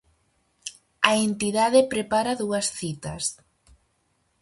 A entidade prepara dúas citas.